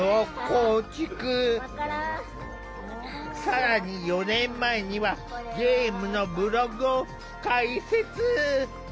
更に４年前にはゲームのブログを開設。